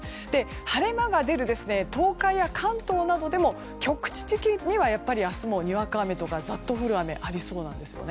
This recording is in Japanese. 晴れ間が出る東海や関東などでも局地的には明日も、にわか雨とかザッと降る雨がありそうです。